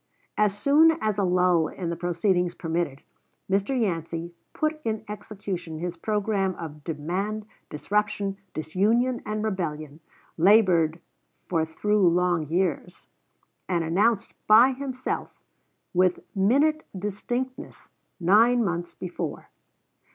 As soon as a lull in the proceedings permitted, Mr. Yancey put in execution his programme of demand, disruption, disunion, and rebellion, labored for through long years, and announced by himself, with minute distinctness, nine months before.